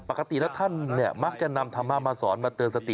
ปกติแล้วท่านเนี่ยมักจะนำธรรมะมาสอนมาเตือนสติ